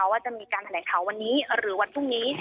ว่าจะมีการแถลงข่าววันนี้หรือวันพรุ่งนี้